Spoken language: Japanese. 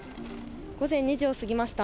午前２時を過ぎました。